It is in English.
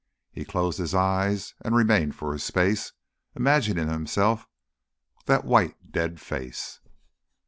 He closed his eyes and remained for a space imagining himself that white dead face.